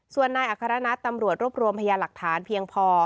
ส่วนนายอัครนัทตำรวจรวบรวมพยาหลักฐานเพียงพอ